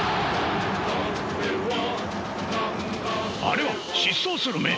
あれは疾走する眼！